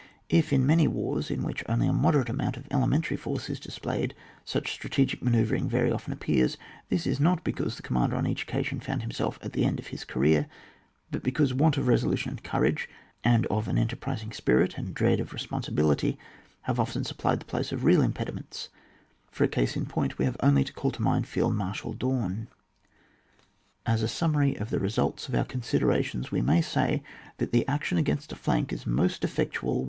If, in many wars in which only a moderate amoimt of elementcuy force is displayed, such strategic manoeuvring very often ap pears, this is not because the commander on each occasion found himself at the end of his career, but because want of resolution and courage, and of an enter prising spirit, and dread of responsibility, have often supplied the place of real impediments; for a case in point, we have only to call to mind Field Marshal Daun. As a summary of the results of our considerations, we may say, that the action against a flank is most effectual— 1.